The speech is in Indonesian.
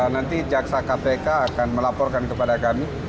nanti jaksa kpk akan melaporkan kepada kami